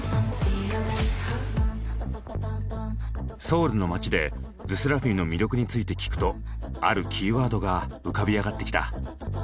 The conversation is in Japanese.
ソウルの街でＬＥＳＳＥＲＡＦＩＭの魅力について聞くとあるキーワードが浮かび上がってきた。